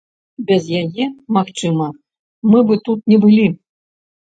Без яе, магчыма, мы бы тут не былі.